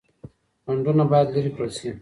خنډونه بايد لري کړل سي.